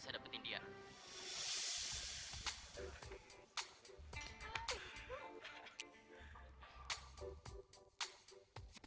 kalau tidak kekayaan kita akan habis